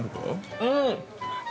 うん。